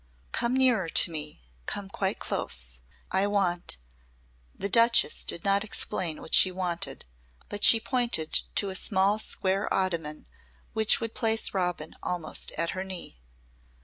"Come nearer to me. Come quite close. I want " the Duchess did not explain what she wanted but she pointed to a small square ottoman which would place Robin almost at her knee.